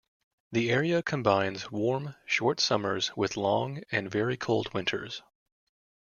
The area combines warm, short summers with long and very cold winters.